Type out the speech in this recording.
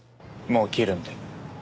もう切るんで。